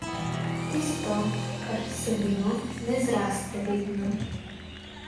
Tisto, kar sadimo, ne zraste vedno.